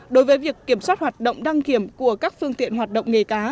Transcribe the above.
đối với việc kiểm soát hoạt động đăng kiểm của các phương tiện hoạt động nghề cá